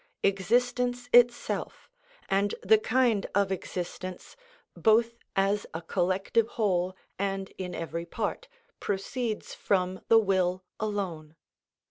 Existence itself, and the kind of existence, both as a collective whole and in every part, proceeds from the will alone.